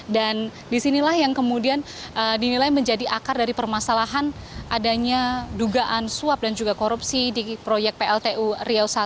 dan disinilah yang kemudian dinilai menjadi akar dari permasalahan adanya dugaan suap dan juga korupsi di proyek pltu riau satu